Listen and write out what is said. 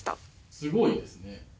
すごいですね。